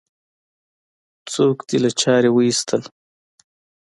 څوک دې له چارې وایستل؟